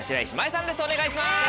お願いします